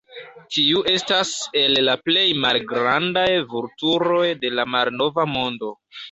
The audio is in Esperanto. Tiu estas el la plej malgrandaj vulturoj de la Malnova Mondo.